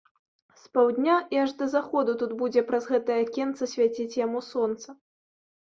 З паўдня і аж да заходу тут будзе праз гэтае акенца свяціць яму сонца.